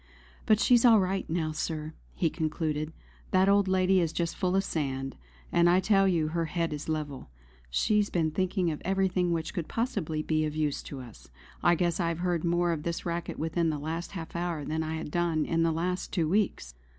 "But she's all right now, Sir," he concluded. "That old lady is just full of sand; and I tell you her head is level. She's been thinking of everything which could possibly be of use to us. I guess I have heard more of this racket within the last half hour than I have done in the last two weeks."